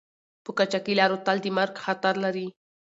په قاچاقي لارو تل د مرګ خطر لری